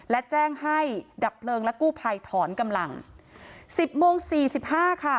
และแจ้งให้ดับเปลืองละกู้ภัยถอนอ่ะรับทรวงสี่สิบห้าค่ะ